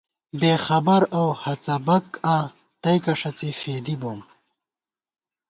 بېخبر اؤ ہڅبَک آں، تئیکہ ݭڅی فېدِبوم